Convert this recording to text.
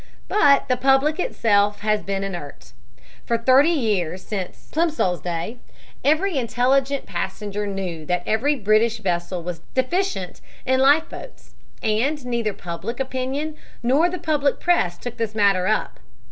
But the public itself has been inert. For thirty years, since Plimsoll's day, every intelligent passenger knew that every British vessel was deficient in life boats, but neither public opinion nor the public press took this matter up.